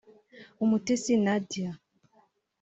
Umutesi Nadia